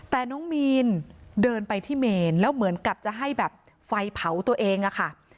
แต่น้องมีนเดินไปที่เมนแล้วเหมือนกับจะให้แบบไฟเผาตัวเองอะค่ะ